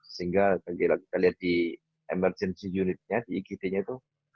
sehingga kita lihat di emergency unitnya di igt nya itu